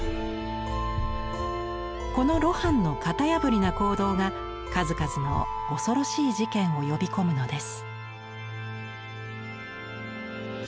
この露伴の型破りな行動が数々の恐ろしい事件を呼び込むのです。